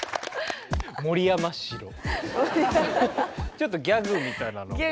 ちょっとギャグみたいなのもね。